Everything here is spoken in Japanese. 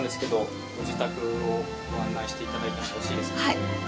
はい。